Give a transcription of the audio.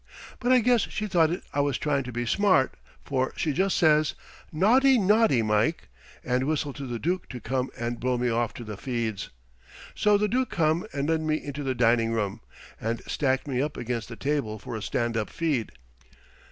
But I guess she thought I was tryin' to be smart, for she just says, 'Naughty, naughty, Mike,' and whistled to the Dook to come and blow me off to the feeds. So the Dook come and led me into the dining room, and stacked me up against the table for a stand up feed.